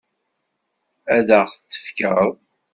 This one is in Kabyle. Ad ɣ-t-tefkeḍ?